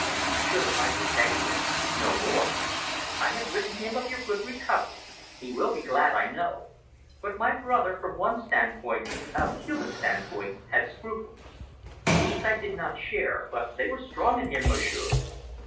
I should have liked to thank him if no more." "I have written him of your good recovery. He will be glad, I know. But my brother, from one stand point a human stand point had scruples. These I did not share, but they were strong in him, Monsieur.